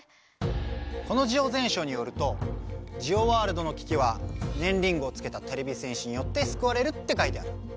このジオ全書によるとジオワールドのききはねんリングをつけたてれび戦士によってすくわれるって書いてある。